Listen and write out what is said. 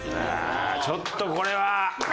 ちょっとこれは。